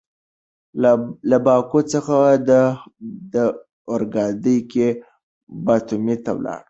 له باکو څخه اورګاډي کې باتومي ته ولاړ.